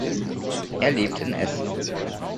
Er lebt in Essen.